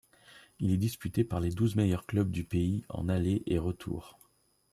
Il est disputé par les douze meilleurs clubs du pays en aller et retour.